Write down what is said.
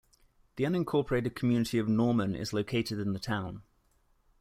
The unincorporated community of Norman is located in the town.